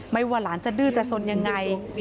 ว่าหลานจะดื้อจะสนยังไง